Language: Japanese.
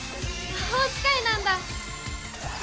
魔法使いなんだ！